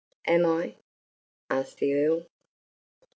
"Am I?" asked the Earl.